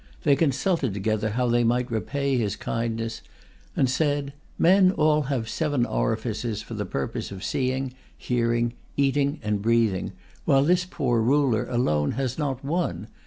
They consulted together how they might repay his kindness, and said, "Men all have seven orifices for the purpose of seeing, hearing, eating, and breathing, while this poor Ruler alone has not one.